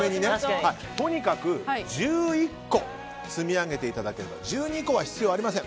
とにかく１１個積み上げていただければ。